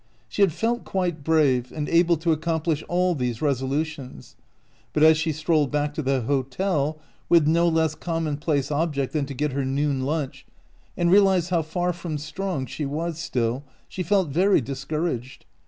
She had felt quite brave, and able to ac OUT OF BOHEMIA complish all these resolutions; but as she strolled back to the hotel, with no less com monplace object than to get her noon lunch, and realized how far from strong she was still, she felt very discouraged.